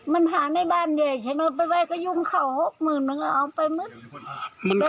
มันหาในบ้านเด็กฉันเอาไปไว้ก็ยุ่งเขา๖๐๐๐๐บาทมันก็เอาไปมึง